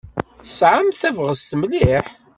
Tesɛamt tabɣest mliḥ.